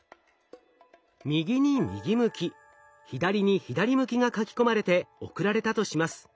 右に右向き左に左向きが書き込まれて送られたとします。